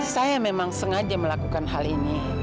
saya memang sengaja melakukan hal ini